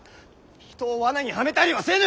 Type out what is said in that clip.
人を罠にはめたりはせぬ！